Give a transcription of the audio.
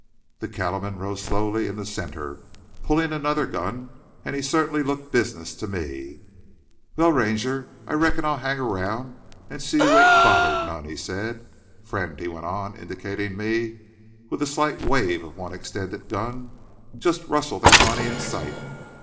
The cattleman rose slowly in the center, pulling another gun, and he certainly looked business to me. "Wal, Ranger, I reckon I'll hang round an' see you ain't bothered none," he said. "Friend," he went on, indicating me with a slight wave of one extended gun, "jest rustle the money in sight.